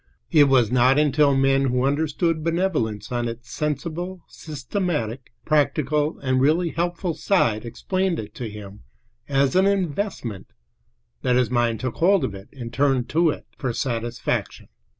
It was not until men who understood benevolence on its sensible, systematic, practical, and really helpful side explained it to him as an investment that his mind took hold of it and turned to it for satisfaction.